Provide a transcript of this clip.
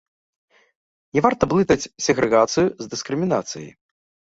Не варта блытаць сегрэгацыю з дыскрымінацыяй.